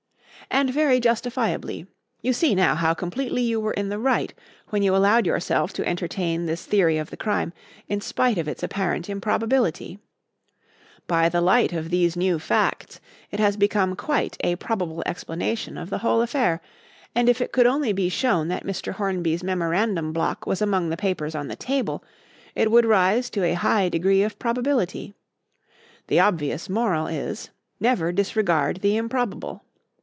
"And very justifiably. You see now how completely you were in the right when you allowed yourself to entertain this theory of the crime in spite of its apparent improbability. By the light of these new facts it has become quite a probable explanation of the whole affair, and if it could only be shown that Mr. Hornby's memorandum block was among the papers on the table, it would rise to a high degree of probability. The obvious moral is, never disregard the improbable.